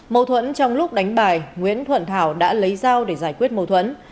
mâu thuẫn trong lúc đánh bài nguyễn thuận thảo đã lấy dao để giải quyết mâu thuẫn